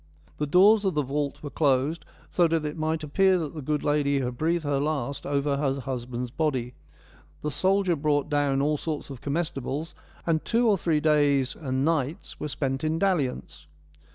The doors of the vault were closed, so that it might appear that the good lady had breathed her last over her husband's body ; the soldier brought down all sorts of comestibles, and two or three days and nights were spent in dalliance.